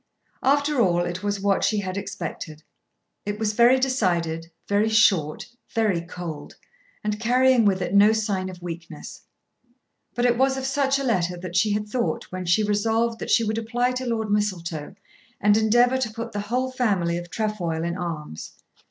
After all it was what she had expected. It was very decided, very short, very cold, and carrying with it no sign of weakness. But it was of such a letter that she had thought when she resolved that she would apply to Lord Mistletoe, and endeavour to put the whole family of Trefoil in arms.